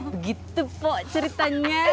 begitu po ceritanya